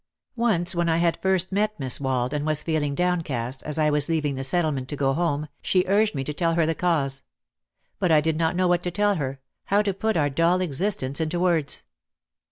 Once when I had first met Miss Wald, and was feeling downcast as I was leaving the Settlement to go home, she urged me to tell her the cause. But I did not know what to tell her, how to put our dull existence into words.